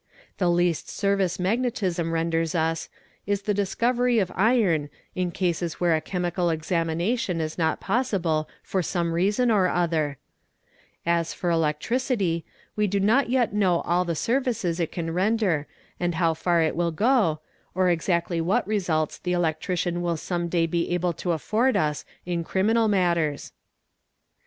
The least service magnetism _ renders us is the discovery of iron in cases where a chemical examination ia not possible for some reason or other; as for electricity, we do not _ yet know all the services it can render and how far it will go, or exactly what results the electrician will some day be able to afford us in criminal _ matters.